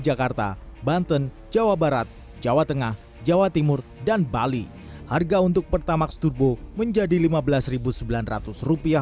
jakarta banten jawa barat jawa tengah jawa timur dan bali harga untuk pertamax turbo menjadi lima belas sembilan ratus